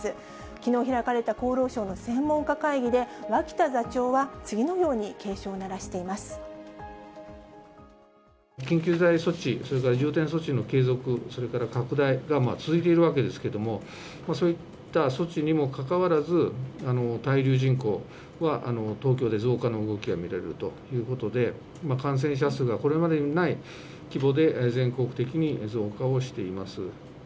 きのう開かれた厚労省の専門家会議で、脇田座長は、次のように警緊急事態措置、それから重点措置の継続、それから拡大が続いているわけですけれども、そういった措置にもかかわらず、滞留人口は東京で増加の動きが見られるということで、感染者数がこれまでにない規模で全国的に増加をしています。